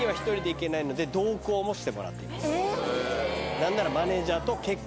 何なら。